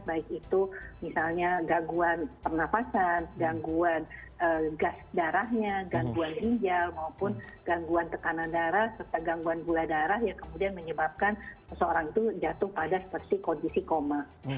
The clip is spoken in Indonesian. baik itu misalnya gangguan pernafasan gangguan gas darahnya gangguan ginjal maupun gangguan tekanan darah serta gangguan gula darah yang kemudian menyebabkan seseorang itu jatuh pada seperti kondisi koma